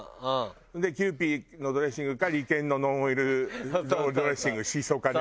でキユーピーのドレッシングかリケンのノンオイルのドレッシングしそかね。